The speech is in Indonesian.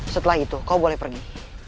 setelah itu kau boleh pergi